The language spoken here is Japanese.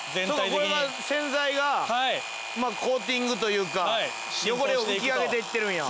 これは洗剤がまあコーティングというか汚れを浮き上げていってるんや。